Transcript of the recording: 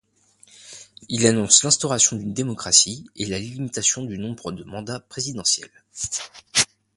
Il annonce l'instauration d'une démocratie et la limitation du nombre de mandats présidentiels.